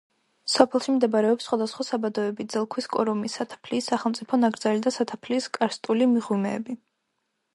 სოფელში მდებარეობს სხვადასხვა საბადოები, ძელქვის კორომი, სათაფლიის სახელმწიფო ნაკრძალი და სათაფლიის კარსტული მღვიმეები.